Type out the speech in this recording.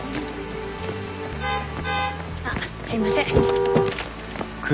・あすいません。